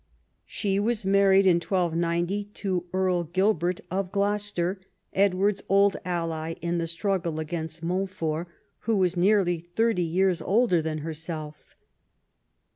She was married in 1290 to Earl Gilbert of Gloucester, Edward's old ally in the struggle against Montfort, who was nearly thirty years older than herself.